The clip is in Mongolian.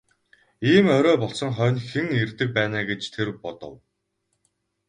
Ийм орой болсон хойно хэн ирдэг байна аа гэж тэр бодов.